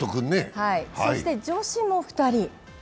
そして女子も２人。